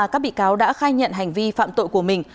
các bị cáo đã khai nhận hành vi phạm tội của mình